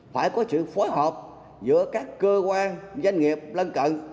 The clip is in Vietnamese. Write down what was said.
phải có sự phối hợp giữa các cơ quan doanh nghiệp lân cận